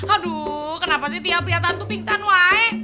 aduh kenapa sih tiap liatan tuh pingsan woy